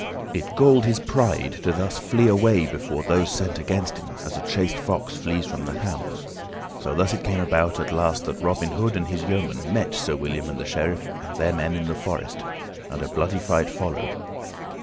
It galled his pride to thus flee away before those sent against him, as a chased fox flees from the hounds; so thus it came about, at last, that Robin Hood and his yeomen met Sir William and the Sheriff and their men in the forest, and a bloody fight followed.